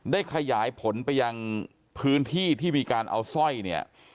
ขยายผลไปยังพื้นที่ที่มีการเอาสร้อยเนี่ย